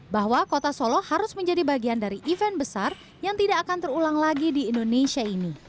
bahwa kota solo harus menjadi bagian dari event besar yang tidak akan terulang lagi di indonesia ini